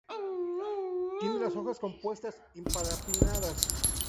Tiene las hojas compuestas imparipinnadas.